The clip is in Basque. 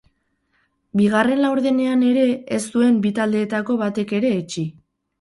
Bigarren laurdenean ere ez zuen bi taldeetako batek ere etsi.